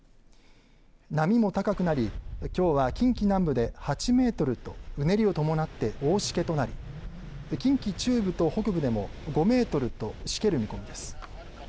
波も高くなりきょうは近畿南部で８メートルとうねりを伴って大しけとなり近畿中部と北部でも５メートルとしける見込みです。